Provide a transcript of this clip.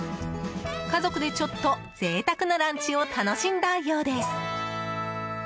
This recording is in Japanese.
家族でちょっと贅沢なランチを楽しんだようです。